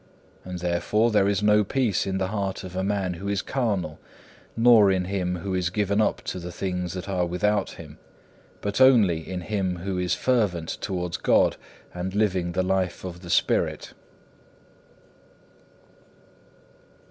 And therefore there is no peace in the heart of a man who is carnal, nor in him who is given up to the things that are without him, but only in him who is fervent towards God and living the life of the Spirit.